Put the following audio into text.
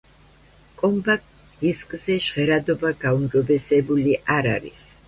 კომპაქტ დისკზე ჟღერადობა გაუმჯობესებული არ არის.